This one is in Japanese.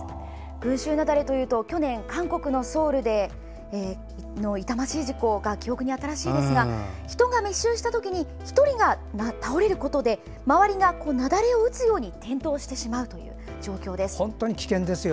群衆雪崩というと去年、韓国のソウルの痛ましい事故が記憶に新しいですが人が密集した時に１人が倒れることで周りが雪崩を打つように転倒してしまうという状況です。